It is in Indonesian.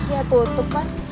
ya tutup pas